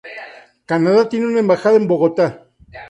Canadá tiene una embajada en Bogotá.